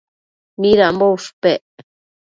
Midambo ushpec